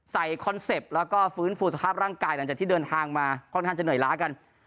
คอนเซ็ปต์แล้วก็ฟื้นฟูสภาพร่างกายหลังจากที่เดินทางมาค่อนข้างจะเหนื่อยล้ากัน